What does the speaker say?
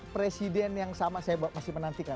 presiden yang sama saya masih menanti kan